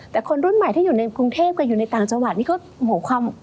แต่คนรุ่นใหม่ที่อยู่ในกรุงเทพกับอยู่ในต่างจังหวัดนี่ก็ความ